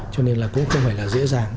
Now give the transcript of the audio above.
cho nên là cũng không phải là dễ dàng